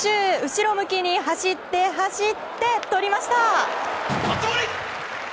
後ろ向きに走って走ってとりました！